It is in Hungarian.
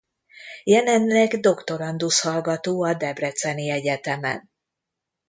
Jelenleg doktorandusz hallgató a Debreceni Egyetemen.